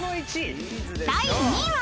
［第２位は？］